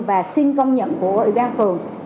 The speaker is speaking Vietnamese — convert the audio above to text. và xin công nhận của ủy ban phường